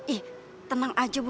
ih tenang aja bu